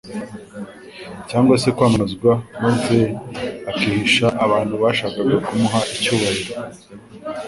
cyangwa se kwamamazwa, maze akihisha abantu bashakaga kumuha icyubahiro